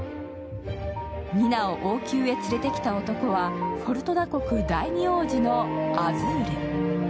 ニナを王宮へ連れてきた男はフォルトナ国第二王子のアズール。